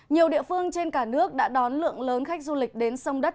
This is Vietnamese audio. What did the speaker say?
nhiều địa phương trên cả nước đã đón lượng lớn khách du lịch đến sông đất